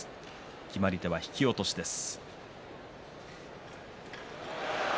決まり手は引き落としです。